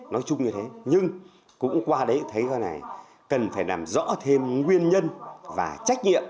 nói chung như thế nhưng cũng qua đấy thấy cái này cần phải làm rõ thêm nguyên nhân và trách nhiệm